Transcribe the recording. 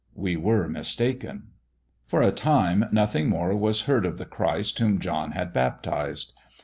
We were mistaken. For a time nothing more was heard of the Christ whom John had baptized.